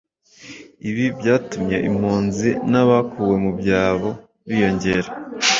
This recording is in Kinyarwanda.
ibi byatumye impunzi n'abakuwe mu byabo biyongera